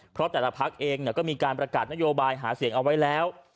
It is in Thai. เพราะแต่ละพักเองก็มีการประกาศนโยบายหาเสียงเอาไว้แล้ว